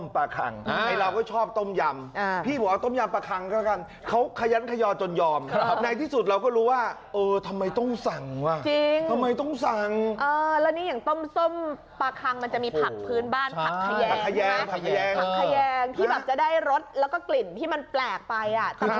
ผักขยางที่แบบจะได้รสแล้วก็กลิ่นที่มันแปลกไปทำให้อร่อย